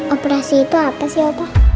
operasi itu apa sih apa